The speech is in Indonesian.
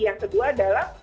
yang kedua adalah